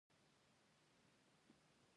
دوی د اوبو او وچې ماشینونه ډیزاین کوي.